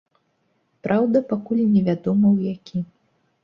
Праўда, пакуль невядома, у які.